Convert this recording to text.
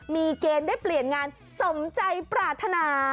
มีเกณฑ์ได้เปลี่ยนงานสมใจปรารถนา